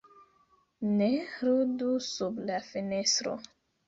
Ne ludu sub la fenestro!